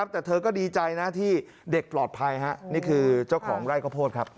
แต่เธอก็ดีใจนะที่เด็กปลอดภัยนี่คือเจ้าของไร่ข้าวโพดครับ